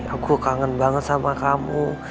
aku kangen banget sama kamu